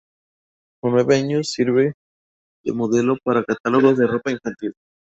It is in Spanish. Con nueve años sirve de modelo para catálogos de ropa infantil.